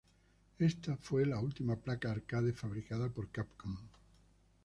Esta fue la última placa arcade fabricada por Capcom.